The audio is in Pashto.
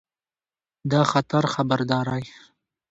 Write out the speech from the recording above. د خطر خبرداری